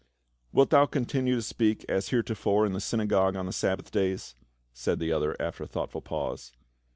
"Wilt thou continue to speak as heretofore in the synagogue on the Sabbath days?" said the other after a thoughtful pause.